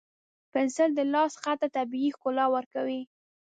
پنسل د لاس خط ته طبیعي ښکلا ورکوي.